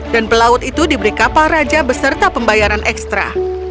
dan pelaut itu diberi kapal raja beserta pembayaran ekstra